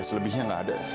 selebihnya enggak ada